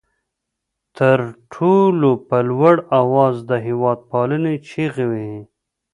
تر ټولو په لوړ آواز د هېواد پالنې چغې وهي.